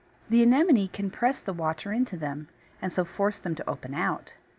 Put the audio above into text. ] The Anemone can press the water into them, and so force them to open out.